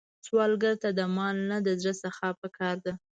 سوالګر ته د مال نه، د زړه سخا پکار ده